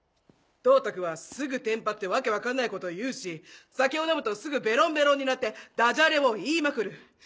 「董卓はすぐテンパって訳分かんないこと言うし酒を飲むとすぐベロンベロンになってダジャレを言いまくる。